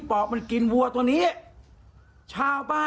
สายลูกไว้อย่าใส่